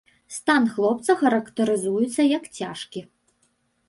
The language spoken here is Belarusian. Стан хлопца характарызуецца як цяжкі.